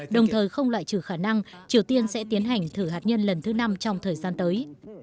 đồng thời không loại trừ khả năng triều tiên sẽ tiến hành thử hạt nhân lần thứ năm trong thời gian tới